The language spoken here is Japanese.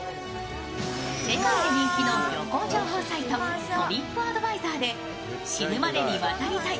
世界で人気の旅行情報サイトトリップアドバイザーで、「死ぬまでに渡りたい！？